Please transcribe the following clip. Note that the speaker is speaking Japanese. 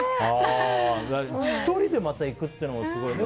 １人でまた行くというのもすごいですね。